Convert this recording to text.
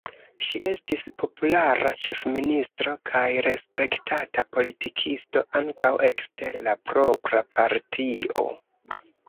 Ŝi estis populara ĉefministro kaj respektata politikisto ankaŭ ekster la propra partio.